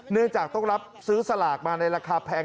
เนื่องจากต้องรับซื้อสลากมาในราคาแพง